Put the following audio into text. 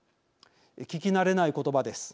聞き慣れない言葉です。